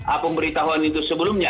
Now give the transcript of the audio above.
aku memberitahuan itu sebelumnya